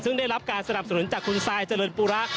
ซึ่งได้รับการสนับสนุนจากคุณซายเจริญปุระ